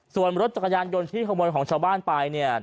ส่วนรถจักรยานยนต์ที่ขโมยของชาวบ้านไปเนี่ย